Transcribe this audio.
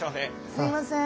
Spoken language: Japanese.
すいません。